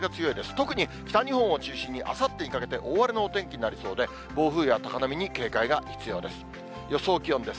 特に北日本を中心に、あさってにかけて、大荒れのお天気になりそうで、暴風や高波に警戒が必要です。